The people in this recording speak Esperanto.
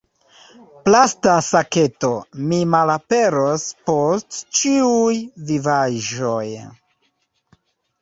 Plasta saketo: "Mi malaperos post ĉiuj vivaĵoj!"